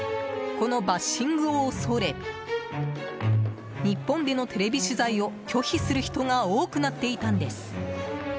このバッシングを恐れ日本でのテレビ取材を拒否する人が多くなっていたんです。